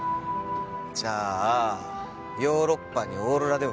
じゃあヨーロッパにオーロラでも見に行こう。